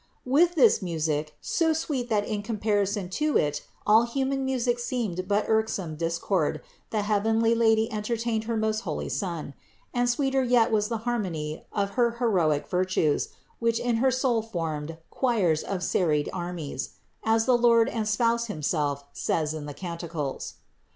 537. With this music, so sweet that in comparison to it all human music seemed but irksome discord, the heavenly Lady entertained her most holy Son; and sweeter yet was the harmony of her heroic virtues, which in her soul formed "choirs as of serried armies/' as the Lord and Spouse himself says in the Canticles.